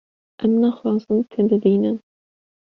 Em naxwazin te bibînin.